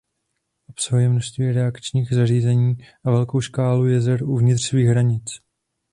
Obsahuje množství rekreačních zařízení a velkou škálu jezer uvnitř svých hranic.